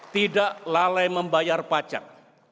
tidak lalai membayar pajak